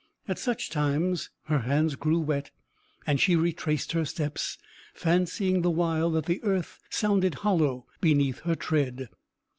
At such times her hands grew wet, and she retraced her steps, fancying the while that the earth sounded hollow beneath her tread.